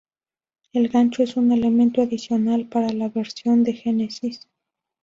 El gancho es un elemento adicional para la versión de Genesis.